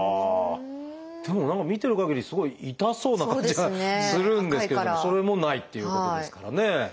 でも何か見てるかぎりすごい痛そうな感じがするんですけどもそれもないっていうことですからね。